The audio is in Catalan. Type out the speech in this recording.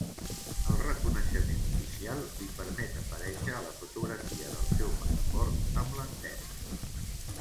El reconeixement oficial li permet aparèixer a la fotografia del seu passaport amb l'antena.